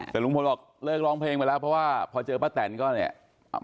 แต่ลุงพลบอกเลิกร้องเพลงไปแล้วเพราะว่าพอเจอป้าแตนก็เนี่ย